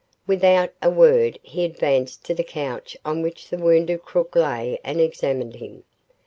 Without a word he advanced to the couch on which the wounded crook lay and examined him.